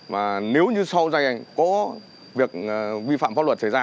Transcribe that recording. và nếu như sau doanh nghiệp có việc vi phạm pháp luật xảy ra